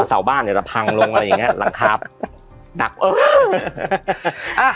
สาวบ้านเดี๋ยวจะพังลงอะไรอย่างนี้